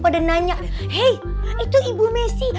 pada nanya hei itu ibu messi